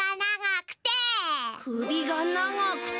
くびがながくて。